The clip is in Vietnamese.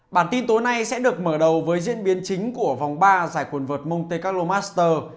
bản tin tối nay sẽ được mở đầu với diễn biến chính của vòng ba giải quần vợt monte carlo master